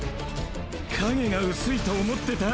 カゲが薄いと思ってた？